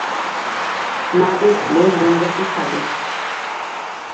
না বেচলে, বোনরা কি খাবে?